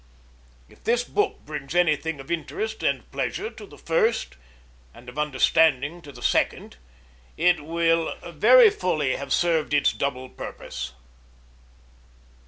If this book brings anything of interest and pleasure to the first, and of understanding to the second, it will very fully have served its double purpose.